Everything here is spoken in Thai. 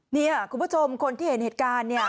เนี่ยคุณผู้ชมคนที่เห็นเหตุการณ์เนี่ย